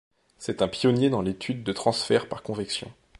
C'est un pionnier dans l'étude de transfert par convection.